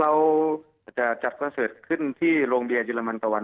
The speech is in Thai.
เราจะจัดคอนเสิร์ตขึ้นที่โรงเรียนเรมันตะวัน